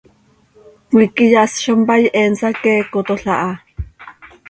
Cmiique yas zo mpaai, he nsaqueecotol aha.